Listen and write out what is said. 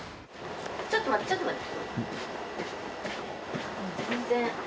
・ちょっと待ってちょっと待って。